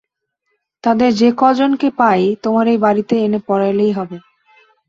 তাদের যে-কজনকে পাই তোমার এই বাড়িতে এনে পড়ালেই হবে।